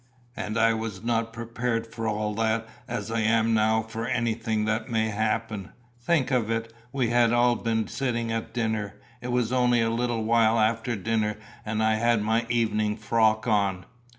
And I was not prepared for all that as I am now for anything that may happen. Think of it, we had all been sitting at dinner, it was only a little while after dinner and I had my evening frock on."